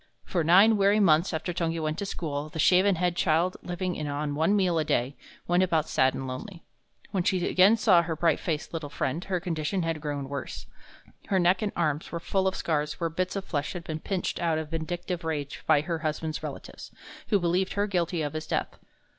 For nine weary months after Tungi went to school, the shaven headed child, living on one meal a day, went about sad and lonely. When she again saw her bright faced little friend, her condition had grown worse. Her neck and arms were full of scars where bits of flesh had been pinched out in vindictive rage by her husband's relatives, who believed her guilty of his death.